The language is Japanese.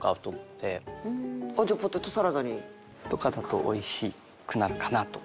じゃあポテトサラダに。とかだとおいしくなるかなと。